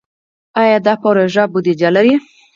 آیا دا پروژې بودیجه لري؟